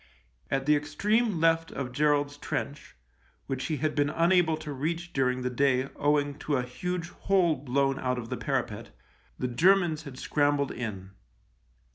At the extreme left of Gerald's trench, which he had been unable to reach during the day owing to a huge hole blown out of the parapet, the Germans had scrambled in.